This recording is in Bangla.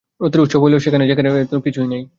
রথের আসল উৎসব হয় সেখানে, এখানে তো কিছুই নেই।